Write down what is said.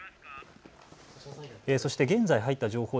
そして現在入った情報。